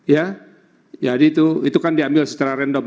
ya jadi itu kan diambil secara random